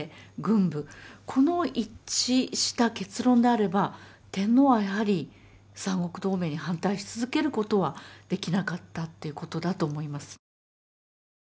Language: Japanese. この一致した結論であれば天皇はやはり三国同盟に反対し続けることはできなかったっていうことだと思います。